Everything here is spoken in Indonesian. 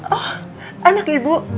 oh anak ibu